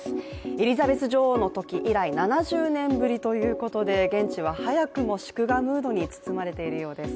エリザベス女王のとき以来７０年ぶりということで現地は早くも祝賀ムードに包まれているようです。